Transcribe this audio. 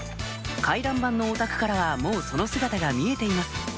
回覧板のお宅からはもうその姿が見えています